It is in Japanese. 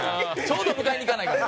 ちょうど迎えに行かないから。